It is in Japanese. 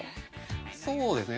そうですね。